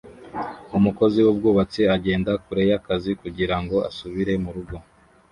Umukozi wubwubatsi agenda kure yakazi kugirango asubire murugo